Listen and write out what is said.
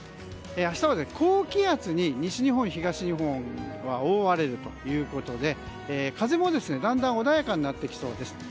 明日は高気圧に西日本、東日本は覆われるということで風も、だんだん穏やかになってきそうです。